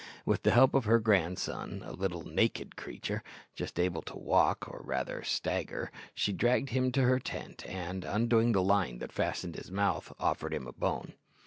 With the help of her grand son a little naked creature, just able to walk, or rather to stagger she dragged him to her tent, and, undoing the line that fastened his mouth, offered him a bone.